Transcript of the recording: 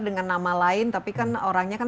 dengan nama lain tapi kan orangnya kan